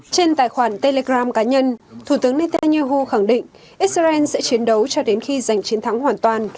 trên tài khoản telegram cá nhân thủ tướng netanyahu khẳng định israel sẽ chiến đấu cho đến khi giành chiến thắng hoàn toàn